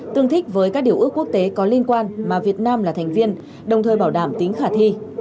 tương thích với các điều ước quốc tế có liên quan mà việt nam là thành viên đồng thời bảo đảm tính khả thi